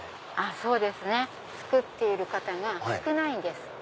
そうですね作っている方が少ないんです。